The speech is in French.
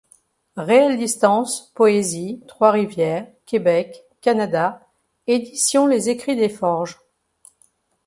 Réelle distante, poésie, Trois-Rivières, Québec, Canada, Editions Les Ecrits des Forges.